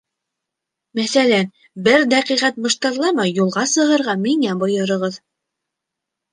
Мәҫәлән, бер дәҡиғәт мыштырламай юлға сығырға миңә бойороғоҙ...